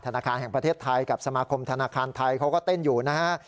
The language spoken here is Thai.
ธนาคารแห่งประเทศไทยกับสมาคมธนาคารไทยเขาก็เต้นอยู่นะฮะ